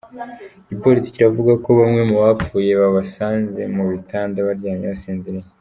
Igipolisi kiravuga ko bamwe mu bapfuye babasanze mu bitanda baryamye basinziriye.